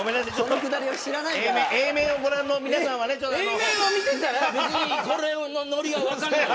Ａ面を見てたらこれのノリは分かるのよ。